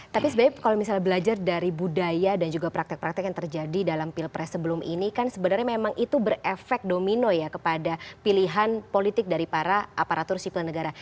tapi sebenarnya kalau misalnya belajar dari budaya dan juga praktek praktek yang terjadi dalam pilpres sebelum ini kan sebenarnya memang itu berefek domino ya kepada pilihan politik dari para aparatur sipil negara